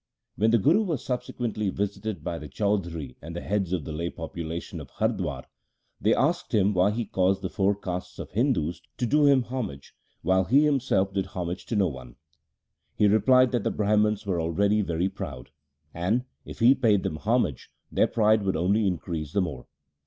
When the Guru was subsequently visited by the Chaudhri and the heads of the lay population of Hardwar, they asked him why he caused the four castes of Hindus to do him homage when he himself did homage to no one. He replied that the Brahmans were already very proud, and, if he paid them homage, their pride would only increase the more.